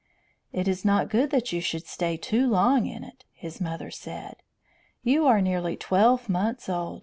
"It is not good that you should stay too long in it," his mother said. "You are nearly twelve months old.